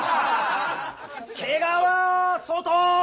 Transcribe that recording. ケガは外！